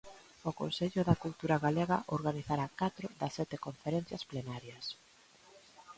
O Consello da Cultura Galega organizará catro das sete conferencias plenarias.